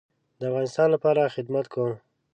د افغانستان لپاره خدمت کوم